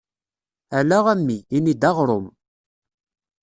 Ala a mmi, ini-d aɣrum.